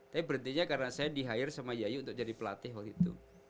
tapi berhenti nya karena saya di hirar sama yayu untuk jadi pelatih waktu itu